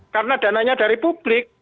karena dananya dari publik